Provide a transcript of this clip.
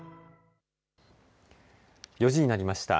４時になりました。